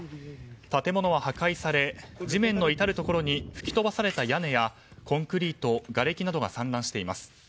建物は破壊され地面の至るところに吹き飛ばされた屋根やコンクリート、がれきなどが散乱しています